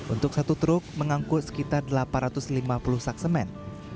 untuk satu truk mengangkut sekitar delapan ratus lima puluh sak semen